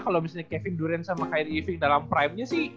kalo misalnya kevin durant sama kyle evick dalam prime nya sih